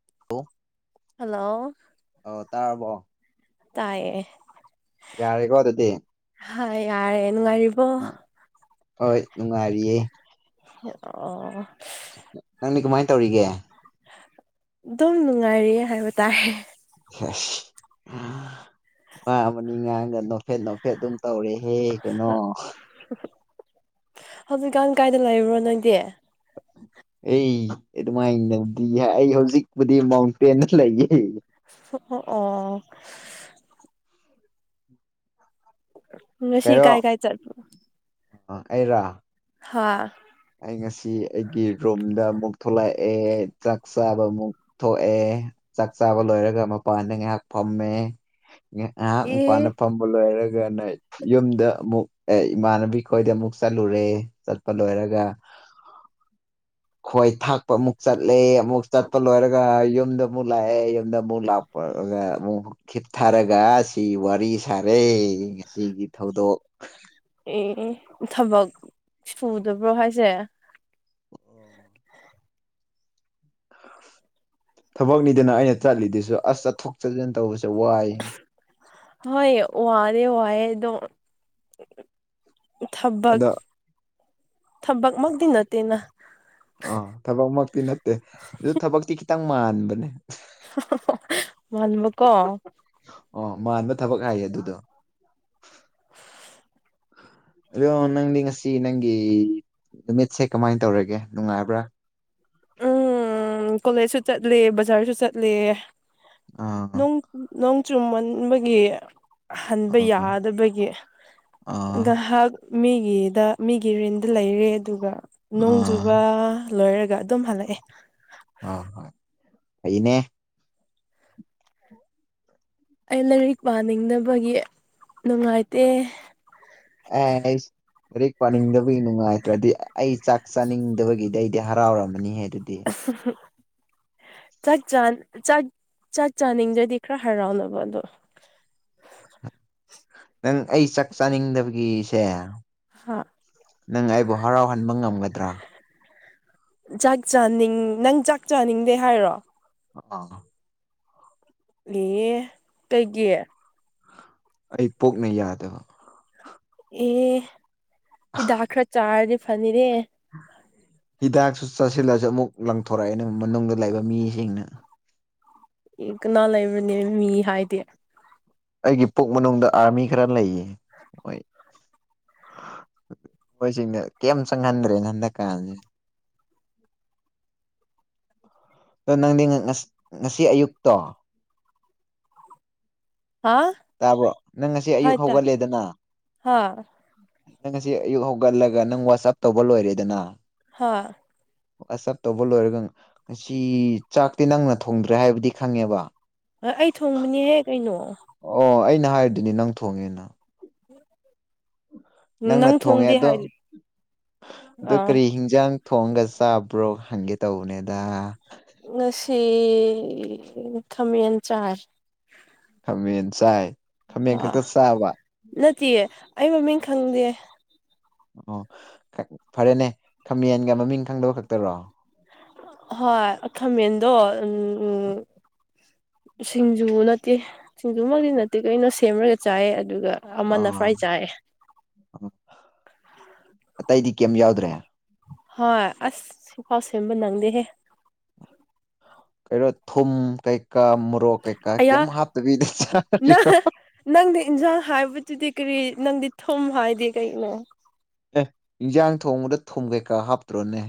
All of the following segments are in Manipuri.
[inaudible] ꯍꯜꯂꯣ ꯑꯣ ꯇꯥꯔꯕꯣ ꯇꯥꯏꯌꯦ ꯌꯥꯔꯦꯀꯣ ꯑꯗꯨꯗꯤ ꯍꯣꯏ ꯌꯥꯔꯦ ꯅꯨꯡꯉꯥꯏꯔꯤꯕꯣ ꯍꯣꯏ ꯅꯨꯡꯉꯥꯏꯔꯤꯑꯦ ꯑꯣ ꯅꯪꯗꯤ ꯀꯃꯥꯏ ꯇꯧꯔꯤꯒꯦ ꯗꯨꯝ ꯅꯨꯡꯉꯥꯏꯔꯤꯌꯦ ꯍꯥꯏꯕ ꯇꯥꯏ ꯑꯁ ꯋꯥ ꯑꯃꯅꯤ ꯉꯥꯡꯉꯒ ꯅꯣꯐꯦꯠ ꯅꯣꯐꯦꯠ ꯑꯗꯨꯝ ꯇꯧꯔꯦ ꯍꯦ ꯀꯩꯅꯣ ꯍꯧꯖꯤꯛꯀꯥꯟ ꯀꯥꯏꯗ ꯂꯩꯕ꯭ꯔꯣ ꯅꯣꯏꯗꯤ ꯑꯩ ꯑꯗꯨꯃꯥꯏꯅꯗꯤ ꯑꯩ ꯍꯧꯖꯤꯛꯄꯨꯗꯤ ꯃꯥꯎꯟꯇꯦꯟꯗ ꯂꯩꯌꯦ ꯑꯣ ꯑꯣ ꯉꯁꯤ ꯀꯥꯏ ꯀꯥꯏ ꯆꯠ ꯑ ꯑꯩꯔ ꯍꯥꯥ ꯑꯩ ꯉꯁꯤ ꯑꯩꯒꯤ ꯔꯨꯝꯗ ꯑꯃꯨꯛ ꯊꯣꯛꯂꯛꯑꯦ ꯆꯥꯛ ꯆꯥꯕ ꯑꯃꯨꯛ ꯊꯣꯛꯑꯦ ꯆꯥꯛ ꯆꯥꯕ ꯂꯣꯏꯔꯒ ꯃꯄꯥꯟꯗ ꯉꯥꯏꯍꯥꯛ ꯐꯝꯃꯦ ꯉꯥꯏꯍꯥꯛ ꯑꯦ ꯃꯄꯥꯟꯗ ꯐꯝꯕ ꯂꯣꯏꯔꯒ ꯑꯗꯨꯒ ꯌꯨꯝꯗ ꯑꯃꯨꯛ ꯑꯦ ꯏꯃꯥꯟꯅꯕꯤ ꯈꯣꯏꯗ ꯑꯃꯨꯛ ꯆꯠꯂꯨꯔꯦ ꯆꯠꯄ ꯂꯣꯏꯔꯒ [inaudible] ꯈꯣꯏ ꯊꯥꯛꯄ ꯑꯃꯨꯛ ꯆꯠꯂꯦ ꯑꯃꯨꯛ ꯆꯠꯄ ꯂꯣꯏꯔꯒ ꯌꯨꯝꯗ ꯑꯃꯨꯛ ꯂꯥꯛꯑꯦ ꯌꯨꯝꯗ ꯑꯃꯨꯛ ꯂꯥꯛꯄ ꯑꯃꯨꯛ ꯈꯤꯠꯊꯔꯒ ꯁꯤ ꯋꯥꯔꯤ ꯁꯥꯔꯦ ꯉꯁꯤꯒꯤ ꯊꯧꯗꯣꯛ ꯑꯦ ꯊꯕꯛ ꯁꯨꯗꯕ꯭ꯔꯣ ꯍꯥꯏꯁꯦ [inaudible] ꯊꯕꯛꯅꯤꯗꯅ ꯑꯩꯅ ꯆꯠꯂꯤꯗꯨꯁꯨ ꯑꯁ ꯆꯠꯊꯣꯛ ꯆꯠꯁꯤꯟ ꯇꯧꯕꯁꯦ ꯋꯥꯏ ꯍꯣꯏ ꯋꯥꯔꯦ ꯋꯥꯢ ꯑꯗꯣ ꯊꯕꯛ ꯑꯗꯣ ꯊꯕꯛꯃꯛꯇꯤ ꯅꯠꯇꯦꯅ ꯑꯥ ꯊꯕꯛꯃꯛꯇꯤ ꯅꯠꯇꯦ ꯑꯗꯨ ꯊꯕꯛꯇꯤ ꯈꯤꯇꯪ ꯃꯥꯟꯕꯅꯦ ꯃꯥꯟꯕꯀꯣ ꯑꯣ ꯃꯥꯟꯕ ꯊꯕꯛ ꯍꯥꯏꯌꯦ ꯑꯗꯨꯗꯣ ꯌꯣ ꯅꯪꯗꯤ ꯉꯁꯤ ꯅꯪꯒꯤ ꯅꯨꯃꯤꯠꯁꯦ ꯀꯃꯥꯏꯅ ꯇꯧꯔꯒꯦ ꯅꯨꯡꯉꯥꯏꯕ꯭ꯔꯥ ꯎꯝ ꯎ ꯀꯣꯂꯦꯖꯁꯨ ꯆꯠꯂꯦ ꯕꯖꯥꯔꯁꯨ ꯆꯠꯂꯦ ꯑꯥ [unintelligible] ꯆꯨꯝꯃꯟꯕꯒꯤ ꯍꯟꯕ ꯑꯥ ꯌꯥꯗꯕꯒꯤ ꯑꯥ ꯗꯍꯥꯛ ꯃꯤꯒꯤꯗ ꯃꯤꯒꯤ ꯔꯤꯟꯗ ꯂꯩꯔꯦ ꯑꯗꯨꯒ ꯑꯥ ꯅꯣꯡꯖꯨꯕ ꯂꯣꯏꯔꯒ ꯑꯗꯨꯝ ꯍꯜꯂꯛꯑꯦ ꯑꯍ ꯑꯩꯅꯦ ꯑꯩ ꯂꯥꯏꯔꯤꯛ ꯄꯥꯅꯤꯡꯗꯕꯒꯤ ꯅꯨꯡꯉꯥꯏꯇꯦ ꯑꯥꯢꯁ ꯔꯦꯛ ꯄꯥꯅꯤꯡꯗꯕꯒꯤ ꯅꯨꯡꯉꯥꯏꯇ꯭ꯔꯗꯤ ꯑꯩ ꯆꯥꯛ ꯆꯥꯅꯤꯡꯗꯕꯒꯤꯗꯤ ꯑꯩꯗꯤ ꯍꯔꯥꯎꯔꯝꯃꯅꯤ ꯍꯦ [unintelligible] ꯆꯥꯛ ꯆꯥꯅꯤꯡꯗ꯭ꯔꯗꯤ ꯈꯔ ꯍꯔꯥꯎꯅꯕ ꯑꯗꯣ [inaudible] ꯅꯪ ꯑꯩ ꯆꯥꯛ ꯆꯥꯅꯤꯡꯗꯕꯒꯤꯁꯦ ꯍꯥ ꯅꯪ ꯑꯩꯕꯨ ꯍꯔꯥꯎꯍꯟꯕ ꯉꯝꯒꯗ꯭ꯔꯥ ꯆꯥꯛ ꯆꯥꯅꯤꯡ ꯅꯪ ꯆꯥꯛ ꯆꯥꯅꯤꯡꯗꯦ ꯍꯥꯏꯔꯣ ꯑꯥ [unintelligible] ꯀꯩꯒꯤ ꯑꯩ ꯄꯣꯛꯅ ꯌꯥꯗꯕ ꯑꯦ ꯏꯗꯥ ꯈ꯭ꯔꯥ ꯆꯥꯗꯤ ꯐꯅꯤꯔꯦ [inaudible] ꯍꯤꯗꯥꯛꯁꯨ ꯆꯥꯁꯤꯜꯂꯁꯨ ꯑꯃꯨꯛ ꯂꯪꯊꯣꯔꯛꯑꯦꯅꯦ ꯃꯅꯨꯡꯗ ꯂꯩꯕ ꯃꯤꯁꯤꯡꯅ ꯀꯅꯥ ꯂꯩꯕꯅꯦ ꯃꯤ ꯍꯥꯏꯗꯤ ꯑꯩꯒꯤ ꯄꯨꯛ ꯃꯅꯨꯡꯗ ꯑꯥꯔꯃꯤ ꯈꯔ ꯂꯩꯌꯦ ꯃꯣꯏ ꯃꯣꯏꯁꯤꯡꯅ ꯀꯩꯝ ꯆꯪꯍꯟꯗ꯭ꯔꯦꯅ ꯍꯟꯗꯛꯀꯁꯦ ꯑꯗ ꯅꯪꯗꯤ ꯉꯁꯤ ꯑꯌꯨꯛꯇꯣ ꯍꯥ ꯇꯥꯕ꯭ꯔꯣ ꯅꯪ ꯉꯁꯤ ꯍꯥꯏ ꯑꯌꯨꯛ ꯇꯥꯏ ꯍꯧꯒꯠꯂꯦꯗꯅ ꯍꯥ ꯅꯪ ꯉꯁꯤ ꯑꯌꯨꯛ ꯍꯧꯒꯠꯂꯒ ꯅꯪ ꯋꯥꯆꯑꯞ ꯇꯧꯕ ꯂꯣꯏꯔꯦꯗꯅ ꯍꯣꯏ ꯑꯆꯥꯞ ꯇꯧꯕ ꯂꯣꯏꯔꯒ ꯉꯁꯤ ꯆꯥꯛꯇꯤ ꯅꯪꯅ ꯊꯣꯡꯗ꯭ꯔꯦ ꯍꯥꯏꯕꯗꯤ ꯈꯪꯉꯦꯕ ꯍ ꯑꯩ ꯊꯣꯡꯕꯅꯤꯍꯦ ꯀꯩꯅꯣ ꯑꯣ ꯑꯩꯅ ꯍꯥꯏꯔꯤꯗꯨꯅꯦ ꯅꯪ ꯊꯣꯡꯉꯦꯅ ꯍ ꯅꯪꯅ ꯊꯣꯡꯉꯦ ꯑꯗꯣ ꯑꯗꯣ ꯑꯥ ꯀꯔꯤ ꯍꯤꯡꯖꯥꯡ ꯊꯣꯡꯒ ꯆꯥꯕ꯭ꯔꯣ ꯈꯪꯒꯦ ꯇꯧꯕꯅꯦꯗ ꯉꯁꯤ ꯈꯃꯦꯟ ꯆꯥꯏ ꯈꯃꯦꯟ ꯆꯥꯏ ꯈꯥꯃꯦꯟ ꯍꯥ ꯈꯛꯇ ꯆꯥꯕ ꯅꯠꯇꯤꯌꯦ ꯑꯩ ꯃꯃꯤꯡ ꯈꯪꯗꯦ ꯑꯣ ꯐꯔꯦꯅꯦ ꯈꯥꯃꯦꯟꯒ ꯃꯃꯤꯡ ꯈꯪꯗꯕ ꯈꯛꯇꯔꯣ ꯍꯣꯏ ꯈꯥꯃꯦꯟꯗꯣ ꯎꯝ ꯁꯤꯡꯖꯨ ꯅꯠꯇꯦ ꯁꯤꯡꯖꯨꯃꯛꯇꯤ ꯅꯠꯇꯦ ꯀꯩꯅꯣ ꯁꯦꯝꯃꯒ ꯆꯥꯏ ꯑꯗꯨ ꯑꯗꯨꯒ ꯑꯃꯅ ꯑꯥ ꯐ꯭ꯔꯥꯏ ꯆꯥꯏꯑꯦ ꯀꯌꯤꯝ ꯌꯥꯎꯗ꯭ꯔꯦ ꯍꯣꯏ ꯑꯁ ꯁꯤꯐꯥꯎ ꯁꯦꯝꯕ ꯅꯪꯗꯦꯍꯦ ꯀꯩꯅꯣ ꯊꯨꯝ ꯀꯩꯀꯥ ꯃꯣꯔꯣꯛ ꯀꯩꯀꯥ ꯑꯌꯥ ꯀꯩꯝ ꯍꯥꯞꯇꯕꯤꯗ ꯅꯪ ꯆꯥꯔꯤꯔꯣ ꯅꯪꯗꯤ ꯏꯟꯁꯥꯡ ꯍꯥꯏꯕꯗꯨꯗꯤ ꯀꯔꯤ ꯅꯪꯗꯤ ꯊꯨꯝ ꯍꯥꯏꯗꯦ ꯀꯔꯤ ꯑꯦ ꯏꯟꯖꯥꯡ ꯊꯣꯡꯕꯗ ꯊꯨꯝ ꯀꯩꯀꯥ ꯍꯥꯞꯇ꯭ꯔꯣꯅꯦ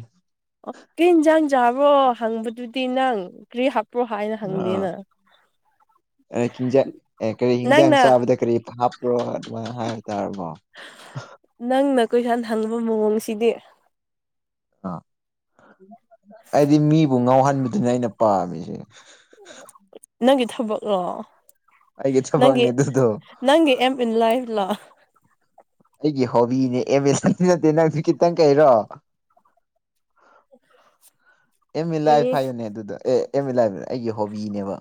ꯑꯣ ꯀꯔꯤ ꯏꯟꯖꯥꯡ ꯆꯥꯕ꯭ꯔꯣ ꯍꯪꯕꯗꯨꯗꯤ ꯅꯪ ꯀ꯭ꯔꯤ ꯍꯥ ꯀꯥꯏꯅ ꯑꯥ ꯍꯪꯗꯦꯅ ꯍꯤꯟꯖꯥꯡ ꯑꯦ ꯀꯔꯤ ꯍꯤꯟꯖꯥꯡ ꯅꯪꯅ ꯆꯥꯕꯗ ꯀꯔꯤ ꯍꯥꯞꯄ꯭ꯔꯣ ꯑꯗꯨꯃꯥꯏꯅ ꯍꯥꯏꯕ ꯇꯥꯔꯕꯣ ꯅꯪꯅ ꯀꯣꯏꯁꯥꯟ ꯍꯪꯕ ꯃꯑꯣꯡꯁꯤꯗꯤ ꯑꯥ ꯑꯩꯗꯤ ꯃꯤꯕꯨ ꯉꯥꯎꯍꯟꯕꯗꯨꯅ ꯑꯩꯅ ꯄꯥꯝꯃꯤꯁꯦ ꯅꯪꯒꯤ ꯊꯕꯛꯂꯣ ꯑꯩꯒꯤ ꯅꯪꯒꯤ ꯊꯕꯛꯅꯦ ꯑꯗꯨꯗꯣ ꯅꯪꯒꯤ ꯑꯦꯝ ꯏꯟ ꯂꯥꯏꯞꯂꯣ ꯑꯩꯒꯤ ꯍꯣꯕꯤꯅꯦ ꯑꯦꯝ ꯑꯦꯁꯗꯤ ꯅꯠꯇꯦ ꯅꯪꯁꯨ ꯈꯤꯇꯪ ꯀꯩꯔꯣ ꯑꯦꯝ ꯏꯟ ꯂꯥꯏꯐ ꯑꯦ ꯍꯥꯏꯌꯨꯅꯦ ꯑꯗꯨꯗ ꯑꯦ ꯑꯦꯝ ꯃꯤ ꯂꯥꯏꯕ ꯑꯩꯒꯤ ꯍꯣꯕꯤꯅꯦꯕ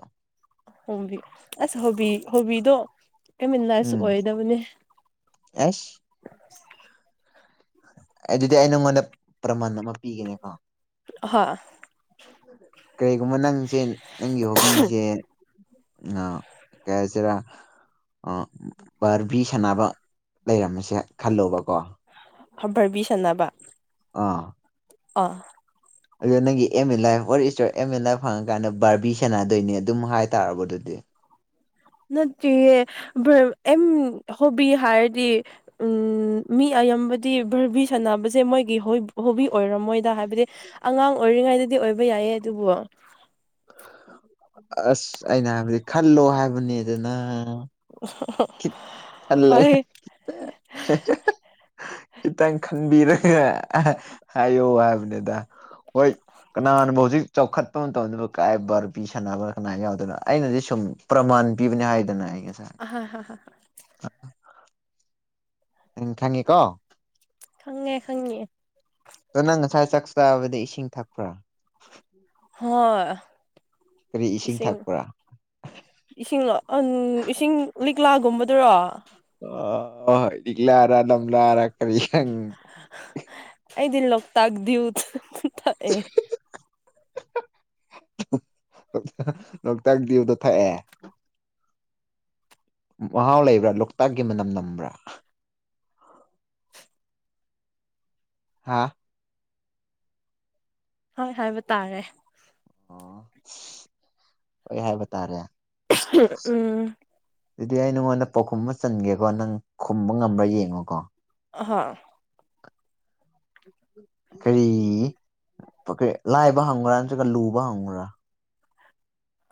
ꯍꯣꯕꯤ ꯑꯁ ꯍꯣꯕꯤ ꯍꯣꯕꯤꯗꯨꯣ ꯑꯦꯝ ꯏꯟ ꯂꯥꯏꯞꯁꯨ ꯎꯝ ꯑꯣꯏꯒꯗꯕꯅꯦ ꯑꯩꯁ ꯑꯗꯨꯗꯤ ꯑꯩ ꯅꯪꯉꯣꯟꯗ ꯄ꯭ꯔꯃꯥꯟ ꯑꯃ ꯄꯤꯒꯅꯦꯀꯣ ꯍꯣꯏ ꯀꯔꯤꯒꯨꯝꯕ ꯅꯪꯁꯦ ꯅꯪꯒꯤ ꯍꯣꯕꯤꯁꯦ ꯑ ꯀꯩꯍꯥꯏꯁꯤꯔ ꯕꯔꯕꯤ ꯁꯥꯟꯅꯕ ꯂꯩꯔꯝꯃꯁꯦ ꯈꯜꯂꯣꯕꯀꯣ ꯕꯔꯕꯤ ꯁꯅꯕ ꯑꯥ ꯑꯥ ꯑꯗꯣ ꯅꯪꯒꯤ aim in life [unintelligible] M in life ꯍꯪꯉꯀꯥꯟꯗ ꯕꯥꯔꯕꯤ ꯁꯥꯟꯅꯗꯣꯏꯅꯤ ꯑꯗꯨꯝ ꯍꯥꯏ ꯇꯥꯔꯕ ꯑꯗꯨꯗꯤ [inaudible] ꯅꯠꯇꯦꯍꯦ ꯑꯦꯝ ꯍꯣꯕꯤ ꯍꯥꯏꯔꯗꯤ ꯎꯝ ꯃꯤ ꯑꯌꯥꯝꯕꯗꯤ ꯚꯔꯕꯤ ꯁꯥꯟꯅꯕꯁꯦ ꯃꯣꯏꯒꯤ ꯍꯣꯕꯤ ꯑꯣꯏꯔꯣ ꯃꯣꯏꯗ ꯍꯥꯏꯕꯗꯤ ꯑꯉꯥꯡ ꯑꯣꯏꯔꯤꯉꯩꯗꯗꯤ ꯑꯣꯏꯕ ꯌꯥꯏꯌꯦ ꯑꯗꯨꯕꯨ ꯑꯁ ꯑꯩꯅ ꯍꯥꯏꯕꯗꯤ ꯈꯜꯂꯣ ꯍꯥꯏꯕꯅꯤꯗꯅ ꯈꯤꯠ ꯈꯜꯂꯒ ꯍꯣꯏ ꯍꯥ ꯍꯥ ꯍꯥ ꯈꯤꯇꯪ ꯈꯟꯕꯤꯔ ꯒ ꯍꯥꯏꯌꯣ ꯍꯥꯏꯕꯅꯤꯗ ꯑꯣꯏ ꯀꯅꯅꯥꯕꯨ ꯍꯧꯖꯤꯛ ꯆꯥꯎꯈꯠꯄ ꯃꯇꯝꯗꯕꯨ ꯀꯥꯏ ꯕꯥꯔꯕꯤ ꯁꯥꯟꯅꯕ ꯀꯅꯥ ꯌꯥꯎꯗꯅ ꯑꯩꯅꯗꯤ ꯁꯨꯝ ꯄ꯭ꯔꯃꯟ ꯄꯤꯕꯅꯦ ꯍꯥꯏꯗꯅ ꯑꯩ ꯉꯁꯥꯏ ꯍꯥ ꯍꯥ ꯍꯥ [inaudible] ꯎꯝ ꯈꯪꯉꯤꯀꯣ ꯈꯪꯉꯦ ꯈꯪꯉꯦ ꯑꯗꯣ ꯅꯪ ꯉꯁꯥꯏ ꯆꯥꯛ ꯆꯥꯕꯗꯤ ꯏꯁꯤꯡ ꯊꯛꯄ꯭ꯔ ꯍꯣꯏ ꯏꯁꯤꯡ ꯏꯁꯤꯡꯂꯣ ꯑꯟ ꯏꯁꯤꯡ ꯂꯤꯛ ꯀ꯭ꯂꯥꯒꯨꯝꯕꯗꯨꯔꯣ ꯑꯣ ꯂꯤꯛꯂꯔ ꯂꯝꯂꯥꯔ ꯀꯔꯤ ꯈꯪ ꯑꯩꯗꯤ ꯂꯧꯇꯛ ꯗꯤꯌꯨ ꯊꯛꯑꯦ ꯂꯣꯛ ꯇꯛꯗꯤꯌꯨꯗꯣ ꯊꯛꯑꯦ ꯃꯍꯥꯎ ꯂꯩꯕ꯭ꯔ ꯂꯣꯛꯇꯥꯛꯀꯤ ꯃꯅꯝ ꯅꯝꯕ꯭ꯔ ꯍꯥꯥ ꯍꯣꯏ ꯍꯥꯏꯕ ꯇꯥꯔꯦ ꯑꯣ ꯍꯣꯏ ꯍꯥꯏꯕ ꯇꯥꯔꯦ ꯎꯝ ꯑꯗꯨꯗꯤ ꯑꯩ ꯅꯉꯣꯟꯗ ꯄꯥꯎꯈꯨꯝ ꯑꯃ ꯆꯟꯒꯦꯀꯣ ꯅꯪ ꯈꯨꯝꯕ ꯉꯝꯕ꯭ꯔ ꯌꯦꯡꯉꯨꯀꯣ ꯍꯥ ꯀꯔꯤ ꯂꯥꯏꯕ ꯍꯪꯉꯨꯔ ꯅꯠꯇ꯭ꯔꯒ ꯂꯨꯕ ꯍꯪꯉꯨꯔ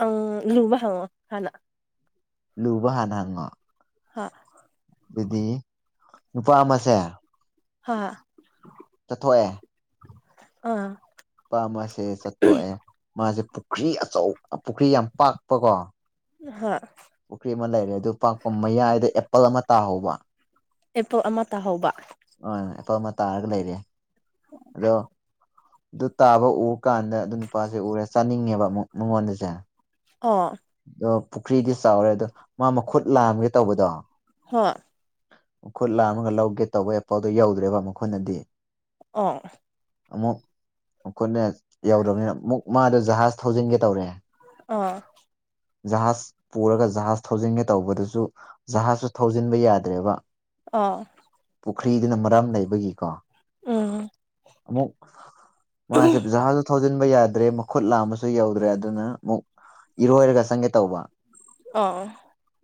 ꯑꯪ ꯂꯨꯕ ꯍꯪꯉꯣ ꯍꯥꯟꯅ ꯂꯨꯕ ꯍꯥꯅ ꯍꯪꯉꯣ ꯍꯥ ꯑꯗꯨꯗꯤ ꯅꯨꯄꯥ ꯑꯃꯁꯦ ꯍꯥ ꯆꯊꯣꯛꯑꯦ ꯑꯥ ꯅꯨꯄꯥ ꯑꯃꯁꯦ ꯆꯠꯊꯣꯛꯑꯦ ꯃꯖꯦ ꯄꯨꯈ꯭ꯔꯤ ꯑꯆꯧ ꯄꯨꯈ꯭ꯔꯤ ꯌꯥꯝ ꯄꯥꯛꯄꯀꯣ ꯍꯥ ꯄꯨꯈ꯭ꯔꯤ ꯑꯃ ꯂꯩꯔꯦ ꯑꯗꯨ ꯄꯥꯛꯄ ꯃꯌꯥꯏꯗ ꯑꯦꯄꯜ ꯑꯃ ꯇꯥꯍꯧꯕ ꯑꯦꯄꯜ ꯑꯃ ꯇꯥꯍꯧꯕ ꯑ ꯑꯦꯄꯜ ꯑꯃ ꯇꯥꯔꯒ ꯂꯩꯔꯦ ꯑꯗꯣ ꯑꯗꯨ ꯇꯥꯕ ꯎꯔ ꯀꯥꯟꯗ ꯑꯗꯨ ꯅꯨꯄꯥꯖꯦ ꯎꯔꯦ ꯆꯥꯅꯤꯡꯉꯦꯕ ꯑꯃꯨꯛ ꯃꯉꯣꯟꯗꯖꯦ ꯑꯥ ꯑꯗꯣ ꯄꯨꯈ꯭ꯔꯤꯗꯤ ꯆꯥꯎꯔꯦ ꯑꯗꯣ ꯃꯥ ꯃꯈꯨꯠ ꯂꯥꯝꯒꯦ ꯇꯧꯕꯗꯣ ꯍꯥ ꯃꯈꯨꯠ ꯂꯥꯝꯃꯒ ꯂꯧꯒꯦ ꯇꯧꯕ ꯑꯦꯄꯜꯗꯣ ꯌꯧꯗ꯭ꯔꯦꯕ ꯃꯈꯨꯠꯅꯗꯤ ꯑꯣ ꯑꯃꯨꯛ ꯈꯨꯠꯅ ꯌꯧꯗ꯭ꯔꯕꯅꯤꯅ ꯃꯨꯛ ꯃꯗꯣ ꯖꯍꯥꯖ ꯊꯧꯖꯤꯟꯒꯦ ꯇꯧꯔꯦ ꯑꯥ ꯖꯍꯥꯖ ꯄꯨꯔꯒ ꯖꯍꯥꯖ ꯊꯧꯖꯤꯟꯒꯦ ꯇꯧꯕꯗꯨꯁꯨ ꯖꯍꯥꯖꯁꯨ ꯊꯧꯖꯤꯟꯕ ꯌꯥꯗ꯭ꯔꯦꯕ ꯑꯥ ꯈ꯭ꯔꯤꯗꯨꯅ ꯃꯔꯝ ꯂꯩꯕꯒꯤꯀꯣ ꯎꯝ ꯑꯃꯨꯛ ꯃꯥꯁꯦ ꯖꯍꯥꯁꯇꯣ ꯊꯣ ꯖꯤꯟꯕ ꯌꯥꯗ꯭ꯔꯦ ꯃꯈꯨꯠ ꯂꯥꯝꯕꯁꯨ ꯌꯧꯗ꯭ꯔꯦ ꯑꯗꯨꯅ ꯑꯃꯨꯛ ꯏꯔꯣꯏꯔꯒ ꯆꯪꯒꯦ ꯇꯧꯕ ꯑꯣ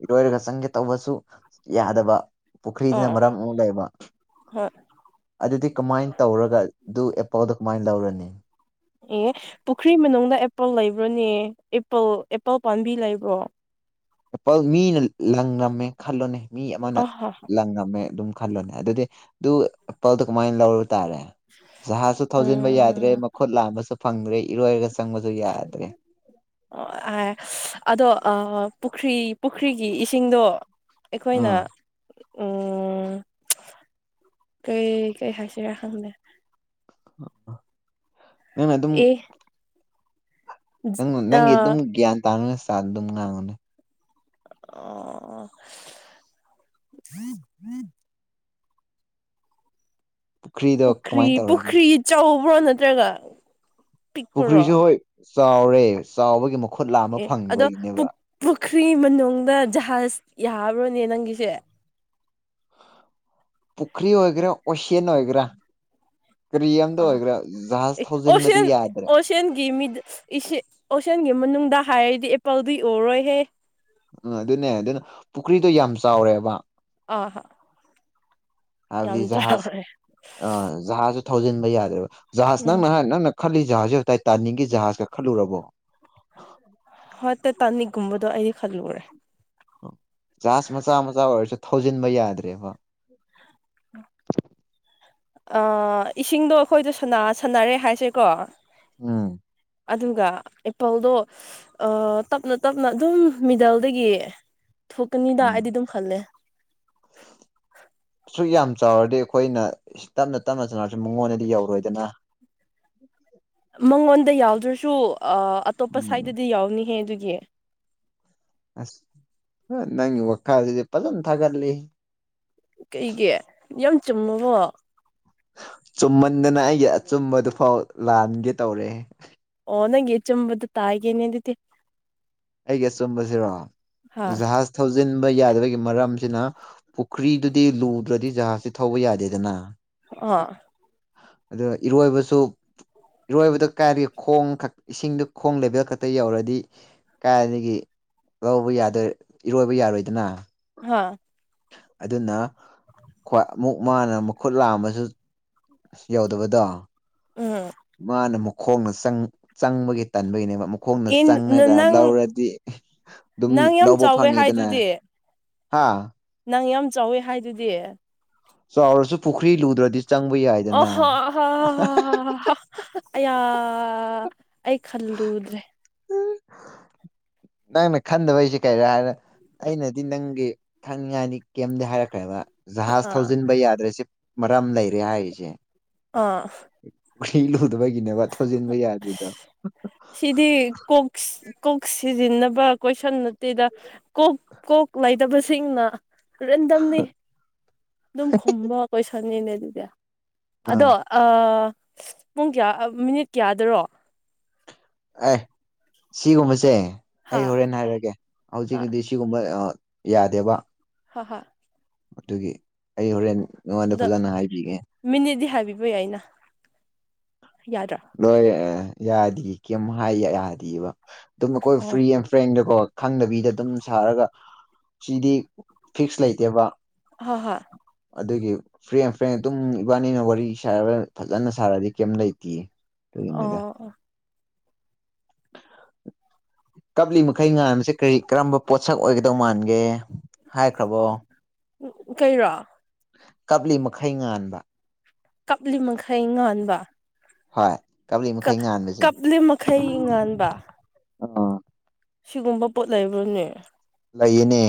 ꯏꯔꯣꯏꯔꯒ ꯆꯪꯒꯦ ꯇꯧꯕꯁꯨ ꯌꯥꯗꯕ ꯄꯨꯈ꯭ꯔꯤꯗꯨꯅ ꯑꯥ ꯃꯔꯝ ꯑꯃꯨꯛ ꯂꯩꯕ ꯍꯣꯏ ꯑꯗꯨꯗꯤ ꯀꯃꯥꯏꯟ ꯇꯧꯔꯒ ꯗꯨ ꯑꯦꯄꯜꯗꯣ ꯀꯃꯥꯏ ꯂꯧꯔꯅꯤ ꯑꯦ ꯄꯨꯈ꯭ꯔꯤ ꯃꯅꯨꯡꯗ ꯑꯦꯄꯜ ꯂꯩꯕ꯭ꯔꯣꯅꯦ ꯑꯦꯄꯜ ꯑꯦꯄꯜ ꯄꯥꯝꯕꯤ ꯂꯩꯕ꯭ꯔꯣ ꯑꯦꯄꯜ ꯃꯤꯅ ꯂꯪꯔꯝꯃꯦ ꯈꯜꯂꯣꯅꯦ ꯃꯤ ꯑꯃꯅ ꯑꯍ ꯂꯪꯉꯝꯃꯦ ꯑꯗꯨꯝ ꯈꯜꯂꯣꯅꯦ ꯑꯗꯨꯗꯤ ꯑꯗꯨ ꯑꯦꯄꯜꯗꯨ ꯀꯃꯥꯏ ꯂꯧꯔ ꯇꯥꯔꯦ ꯖꯍꯥꯁꯁꯨ ꯊꯧꯖꯤꯟꯕ ꯌꯥꯗ꯭ꯔꯦ ꯎꯝ ꯃꯈꯨꯠ ꯂꯥꯝꯕꯁꯨ ꯐꯪꯗ꯭ꯔꯦ ꯏꯔꯣꯏꯔꯒꯁ ꯑꯣꯑꯥ ꯑꯗꯣ ꯑꯥꯞ ꯄꯨꯈ꯭ꯔꯤ ꯄꯨꯈ꯭ꯔꯤꯒꯤ ꯏꯁꯤꯡꯗꯣ ꯑꯩꯈꯣꯏꯅ ꯑꯥ ꯎꯝ ꯀꯩ ꯀꯩ ꯍꯥꯏꯁꯦꯔꯦ ꯈꯪꯗꯦ ꯅꯪ ꯑꯗꯨꯝ ꯅꯪ ꯅꯪꯒꯤ ꯑꯥ ꯑꯗꯨꯝ [unintelligible] ꯑꯣ ꯄꯨꯈ꯭ꯔꯤꯗꯣ ꯄꯨꯈ꯭ꯔꯤ ꯀꯃꯥꯏꯅ ꯇꯧꯔꯒꯦ ꯄꯨꯈ꯭ꯔꯤ ꯆꯥꯎꯕ꯭ꯔꯣ ꯅꯠꯇ꯭ꯔꯒ ꯄꯤꯛꯄꯔꯣ ꯄꯨꯈ꯭ꯔꯤꯁꯨ ꯍꯣꯏ ꯆꯥꯎꯔꯦ ꯆꯥꯎꯕꯒꯤ ꯃꯈꯨꯠ ꯂꯥꯝꯕ ꯐꯪꯗꯕꯒꯤꯅꯦꯕ ꯈ꯭ꯔꯤ ꯃꯅꯨꯡꯗ ꯖꯍꯥꯖ ꯌꯥꯕ꯭ꯔꯣꯅꯦ ꯅꯪꯒꯤꯁꯦ ꯄꯨꯈ꯭ꯔꯤ ꯑꯣꯏꯒꯦꯔ ꯑꯣꯁꯤꯌꯟ ꯑꯣꯏꯒꯦꯔ ꯑꯥ [unintelligible] ꯑꯦ ꯑꯣꯁꯤꯟ ꯌꯥꯗ꯭ꯔꯦ ꯑꯣꯁꯤꯟꯒꯤ ꯃꯤꯗ ꯏꯁꯤ ꯑꯣꯁꯤꯟꯒꯤ ꯃꯅꯨꯡꯗ ꯍꯥꯏꯔꯗꯤ ꯑꯦꯄꯜꯗꯤ ꯎꯔꯣꯏꯍꯦ ꯎꯝ ꯑꯗꯨꯅꯦ ꯑꯗꯨꯅ ꯄꯨꯈ꯭ꯔꯤꯗꯣ ꯌꯥꯝ ꯆꯥꯎꯔꯦꯕ ꯑꯥ ꯍꯥ ꯍꯥꯏꯕꯗꯤ ꯖꯍꯥꯖ ꯑꯥ ꯖꯍꯥꯖꯁꯨ ꯊꯧꯖꯤꯟꯕ ꯌꯥꯗꯦꯕ ꯖꯍꯥꯖ ꯅꯪ ꯎꯝ ꯅꯍꯥꯟ ꯅꯪꯅ ꯈꯜꯂꯤ ꯖꯍꯥꯖꯖꯦ ꯇꯩꯇꯥꯅꯤꯡꯒꯤ ꯖꯍꯥꯖꯀ ꯈꯠꯂꯨꯔꯕꯣ ꯇꯇꯥꯅꯤꯛꯒꯨꯝꯕꯗꯣ ꯑꯩꯗꯤ ꯈꯜꯂꯨꯔꯦ ꯖꯍꯥꯖ ꯃꯆꯥ ꯃꯆꯥ ꯑꯣꯏꯔꯁꯨ ꯊꯧꯖꯤꯟꯕ ꯌꯥꯗ꯭ꯔꯦꯕ ꯑꯥ ꯏꯁꯤꯡꯗꯣ ꯑꯩꯈꯣꯏꯗꯣ ꯁꯥꯅ ꯁꯥꯟꯅꯔꯦ ꯍꯥꯏꯁꯦꯀꯣ ꯎꯝ ꯑꯗꯨꯒ ꯑꯦꯄꯜꯗꯣ ꯑꯥ ꯇꯞꯅ ꯇꯞꯅ ꯑꯗꯨꯝ ꯃꯤꯗꯜꯗꯒꯤ ꯊꯣꯛꯀꯅꯤꯗ ꯎꯝ ꯑꯩꯗꯤ ꯗꯨꯝ ꯈꯜꯂꯦ ꯁꯨꯛ ꯌꯥꯝ ꯆꯥꯎꯔꯗꯤ ꯑꯩꯈꯣꯏꯅ ꯇꯞꯅ ꯇꯞꯅ ꯆꯥꯔꯁꯨ ꯃꯉꯣꯟꯗꯗꯤ ꯌꯧꯔꯣꯏꯗꯅ [inaudible] ꯃꯉꯣꯟꯗ ꯌꯥꯎꯗ꯭ꯔꯁꯨ ꯑꯥ ꯑꯇꯣꯞꯄ ꯎꯝ ꯁꯥꯏꯠꯇꯗꯤ ꯌꯥꯎꯅꯤꯍꯦ ꯑꯗꯨꯒꯤ ꯑꯁ ꯅꯪꯒꯤ ꯋꯥꯈꯥꯁꯤꯗꯤ ꯐꯖꯟ ꯊꯒꯠꯂꯦ ꯀꯩꯒꯤ ꯌꯥꯝ ꯆꯨꯝꯃꯕꯣ ꯆꯨꯝꯃꯟꯗꯅ ꯑꯩꯒꯤ ꯑꯆꯨꯝꯕꯗꯨꯐꯥꯎ ꯂꯥꯟꯒꯦ ꯇꯧꯔꯦꯍꯦ ꯑꯣ ꯅꯪꯒꯤ ꯑꯆꯨꯝꯕꯗꯨ ꯇꯥꯒꯦꯅꯦ ꯑꯗꯨꯗꯤ ꯑꯩꯒꯤ ꯑꯆꯨꯝꯕꯖꯤꯔꯣ ꯍꯥ ꯖꯍꯥꯖ ꯊꯧꯖꯤꯟ ꯕꯥ ꯌꯥꯗꯕꯒꯤ ꯃꯔꯝꯁꯤꯅ ꯄꯨꯈ꯭ꯔꯤꯗꯨꯗꯤ ꯂꯨꯗ꯭ꯔꯗꯤ ꯖꯍꯥꯖꯇꯤ ꯊꯧꯕ ꯌꯥꯗꯦꯗꯅ ꯑꯥ ꯑꯗꯨ ꯏꯔꯣꯏꯕꯁꯨ ꯏꯔꯣꯏꯕꯗ ꯀꯥꯏꯗꯩ ꯈꯣꯡ ꯈꯛ ꯏꯁꯤꯡꯗ ꯈꯣꯡ ꯂꯦꯚꯦꯜ ꯈꯛꯇ ꯌꯧꯔꯗꯤ ꯀꯥꯏꯗꯒꯤ ꯂꯧꯕ ꯌꯥꯗꯣꯏ ꯏꯔꯣꯏꯕ ꯌꯥꯔꯣꯏꯗꯅ ꯍꯥꯥ ꯑꯗꯨꯅ ꯑꯃꯨꯛ ꯃꯥꯅ ꯃꯈꯨꯠ ꯂꯥꯝꯃꯁꯨ ꯑꯁ ꯌꯥꯎꯗꯕꯗꯣ ꯎꯝ ꯃꯥꯅ ꯃꯈꯣꯡꯅ ꯆꯪ ꯆꯪꯕꯒꯤ ꯇꯟꯕꯩꯅꯦꯕ ꯃꯨꯛ ꯈꯣꯡꯅ ꯑꯦ ꯆꯪꯉꯒ ꯅꯪ ꯂꯧꯔꯗꯤ ꯑꯗꯨꯝ ꯅꯪ ꯌꯥꯝ ꯂꯧꯕ ꯆꯥꯎꯋꯦ ꯐꯪꯉꯦꯗꯅ ꯍꯥꯏꯗꯨꯗꯤ ꯍꯥ ꯅꯪ ꯌꯥꯝ ꯆꯥꯎꯋꯤ ꯍꯥꯏꯗꯨꯗꯤ ꯆꯥꯎꯔꯁꯨ ꯄꯨꯈ꯭ꯔꯤ ꯂꯨꯗ꯭ꯔꯗꯤ ꯆꯪꯕ ꯑꯣ ꯌꯥꯏꯗꯅ ꯍꯣ [unintelligible] ꯑꯌꯥ ꯑꯩ ꯈꯜꯂꯨꯗ꯭ꯔꯦ ꯅꯪꯅ ꯈꯟꯗꯕꯩꯁꯦ ꯀꯩ ꯍꯥꯏꯔ ꯑꯩꯅꯗꯤ ꯅꯪꯒꯤ ꯈꯪꯅꯤꯡꯉꯥꯏꯅꯤ ꯀꯦꯝꯗꯤ ꯍꯥꯏꯔꯛꯈ꯭ꯔꯦꯕ ꯖꯍꯥꯖ ꯑꯥ ꯊꯧꯖꯤꯟꯕ ꯌꯥꯗ꯭ꯔꯤꯁꯦ ꯃꯔꯝ ꯂꯩꯔꯦ ꯍꯥꯏꯔꯤꯁꯦ ꯑꯥ ꯄꯨꯈ꯭ꯔꯤ ꯂꯨꯗꯕꯒꯤꯅꯦꯕ ꯊꯧꯖꯤꯟꯕ ꯌꯥꯗ꯭ꯔꯤꯗꯣ ꯁꯤꯗꯤ ꯀꯣꯛ ꯀꯣꯛ ꯁꯤꯖꯤꯟꯅꯕ ꯀꯣꯏꯁꯟ ꯅꯠꯇꯦꯗ ꯀꯣꯛ ꯀꯣꯛ ꯂꯩꯇꯕꯁꯤꯡꯅ ꯔꯦꯟꯗꯝꯅꯤ ꯑꯗꯨꯝ ꯈꯨꯝꯕ ꯀꯣꯏꯁꯟꯅꯤꯅꯦ ꯑꯗꯨꯗꯤ ꯑꯗꯣ ꯑꯥ ꯑꯥ ꯄꯨꯡ ꯀꯌꯥ ꯃꯤꯅꯤꯠ ꯀꯌꯥꯗꯔꯣ ꯑꯥꯏ ꯁꯤꯒꯨꯝꯕꯁꯦ ꯍꯥ ꯑꯩ ꯍꯣꯔꯦꯟ ꯍꯥꯏꯔꯛꯑꯒꯦ ꯍꯥ ꯍꯧꯖꯤꯛꯀꯤꯗꯤ ꯁꯤꯒꯨꯝꯕ ꯑꯥ ꯌꯥꯗꯦꯕ ꯍꯣꯏ ꯍꯣꯏ ꯑꯗꯨꯒꯤ ꯑꯩ ꯍꯣꯔꯦꯟ ꯅꯉꯣꯟꯗ ꯑꯗꯣ ꯐꯖꯅ ꯍꯥꯏꯕꯤꯒꯦ ꯃꯤꯅꯤꯠꯗꯤ ꯍꯥꯏꯕꯤꯕ ꯌꯥꯏꯅ ꯌꯥꯗ꯭ꯔꯥ ꯅꯣꯏ ꯌꯥꯗꯤ ꯀꯩꯝ ꯍꯥꯏ ꯌꯥꯗꯤꯕ ꯑꯗꯨꯝ ꯑꯈꯣꯏ ꯑꯣ ꯐ꯭ꯔꯤ ꯑꯦꯟ ꯐ꯭ꯔꯦꯡꯇꯀꯣ ꯈꯪꯗꯕꯤꯗ ꯑꯗꯨꯝ ꯁꯥꯔꯒ ꯁꯤꯗꯤ ꯐꯤꯛꯁ ꯂꯩꯇꯦꯕ ꯍꯣꯏ ꯍꯣꯏ ꯐ꯭ꯔꯤ ꯑꯦꯟ ꯐ꯭ꯔꯦꯡ ꯑꯗꯨꯝ ꯏꯕꯥꯅꯤꯅ ꯋꯥꯔꯤ ꯁꯥꯔꯒ ꯐꯖꯅ ꯁꯥꯔꯗꯤ ꯀꯩꯝ ꯂꯩꯇꯤꯌꯦ ꯑꯣ ꯑꯣ [inaudible] ꯀꯞꯂꯤ ꯃꯈꯩ ꯉꯥꯟꯕꯁꯦ ꯀꯔꯤ ꯀꯔꯝꯕ ꯄꯣꯠꯁꯛ ꯑꯣꯏꯒꯗꯧ ꯃꯥꯟꯒꯦ ꯍꯥꯏꯈ꯭ꯔꯕꯣ ꯀꯩꯔꯣ ꯀꯞꯂꯤ ꯃꯈꯩ ꯉꯥꯟꯕ ꯀꯞꯂꯤ ꯃꯈꯩ ꯉꯥꯟꯕ ꯍꯣꯏ ꯀꯞꯂꯤ ꯀ ꯃꯈꯩ ꯉꯥꯟꯕꯁꯦ ꯀꯞꯂꯤ ꯃꯈꯩ ꯉꯥꯟꯕ ꯑꯥ ꯁꯤꯒꯨꯝꯕ ꯄꯣꯠ ꯂꯩꯕ꯭ꯔꯅꯦ ꯂꯩꯌꯦꯅꯦ